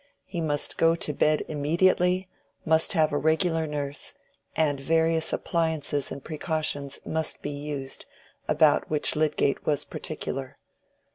He must go to bed immediately, must have a regular nurse, and various appliances and precautions must be used, about which Lydgate was particular.